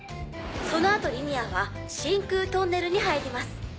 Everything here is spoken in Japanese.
その後リニアは真空トンネルに入ります。